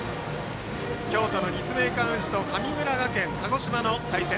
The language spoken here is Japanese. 京都の立命館宇治と鹿児島・神村学園の対戦。